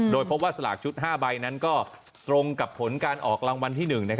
โดยพบว่าสลากชุด๕ใบนั้นก็ตรงกับผลการออกรางวัลที่๑